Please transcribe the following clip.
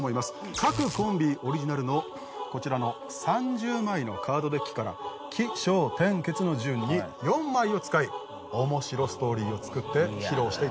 各コンビオリジナルのこちらの３０枚のカードデッキから起承転結の順に４枚を使いおもしろストーリーを作って披露していただきます。